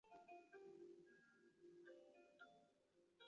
出生在康乃狄克州的费尔菲尔德。